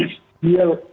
kalau kita lihat